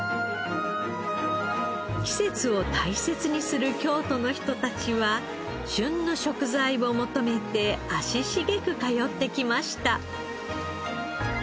季節を大切にする京都の人たちは旬の食材を求めて足しげく通ってきました。